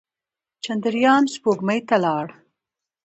چندریان سپوږمۍ ته لاړ.